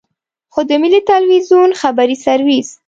خو د ملي ټلویزیون خبري سرویس.